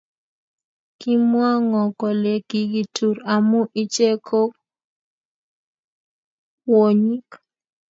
Kimw ngo kole kikitur amu iche ko kwonyik